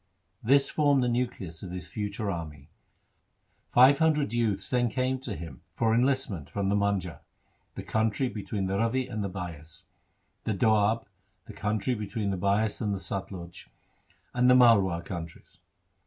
This formed the nucleus of his future army. Five hundred youths then came to him for enlistment from the Manjha (the country between the Ravi and the Bias), the Doab (the country between the Bias and the Satluj), and the Malwa 1 countries.